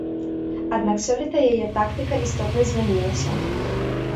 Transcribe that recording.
Аднак сёлета яе тактыка істотна змянілася.